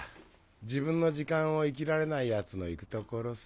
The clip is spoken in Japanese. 自分の時間を生きられないヤツの行く所さ。